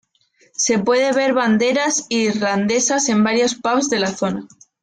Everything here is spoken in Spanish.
Se pueden ver banderas irlandesas en varios pubs de la zona.